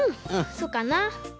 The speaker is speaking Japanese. そうかな？